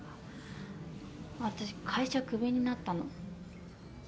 私会社クビになったの。